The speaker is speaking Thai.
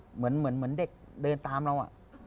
เหมือนเด็กเดินตามเรา